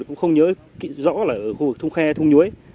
cũng không nhớ rõ là ở khu vực thông khe thung nhuế